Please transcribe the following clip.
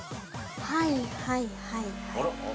◆はいはい、はいはい。